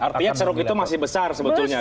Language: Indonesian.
artinya ceruk itu masih besar sebetulnya